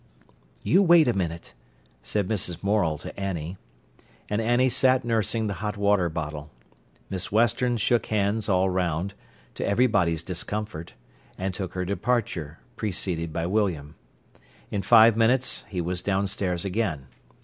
"You wait a minute," said Mrs. Morel to Annie. And Annie sat nursing the hot water bottle. Miss Western shook hands all round, to everybody's discomfort, and took her departure, preceded by William. In five minutes he was downstairs again.